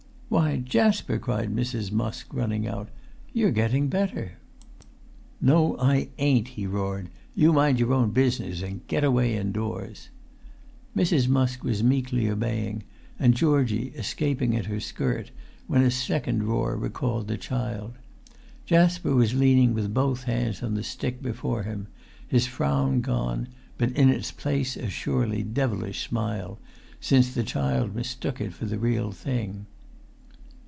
"Why, Jasper," cried Mrs. Musk, running out, "you're getting better!" "No, I ain't," he roared. "You mind your own business and get away indoors." Mrs. Musk was meekly obeying, and Georgie escaping at her skirt, when a second roar recalled the child. Jasper was leaning with both hands on[Pg 278] the stick before him, his frown gone, but in its place a surely devilish smile, since the child mistook it for the real thing.